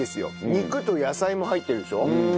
肉と野菜も入ってるでしょ。